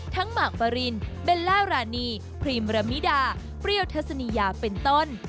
ทั้งมาร์กปารินเบลล่ารานีพรีมรมิดาปริยธสนิยาเป็นต้น